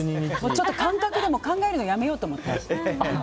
ちょっと感覚で考えるのやめようと思って。